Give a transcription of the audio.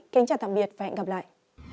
kênh chào tạm biệt và hẹn gặp lại